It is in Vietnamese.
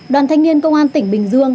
đoàn thanh niên công an tỉnh bình dương